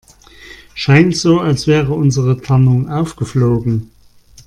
Scheint so, als wäre unsere Tarnung aufgeflogen.